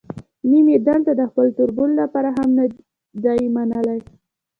نیم یې دلته د خپل تربور لپاره هم نه دی منلی.